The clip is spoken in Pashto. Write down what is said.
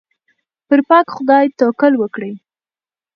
پر پاک خدای توکل وکړئ.